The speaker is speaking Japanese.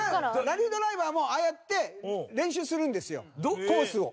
ラリードライバーもああやって練習するんですよ、コースを。